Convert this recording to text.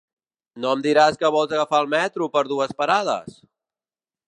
No em diràs que vols agafar el metro per dues parades?